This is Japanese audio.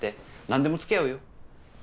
何でも付き合うよ。